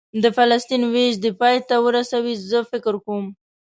د فلسطین وېش دې پای ته ورسوي، زه فکر کوم.